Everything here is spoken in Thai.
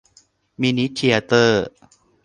มินิเธียเตอร์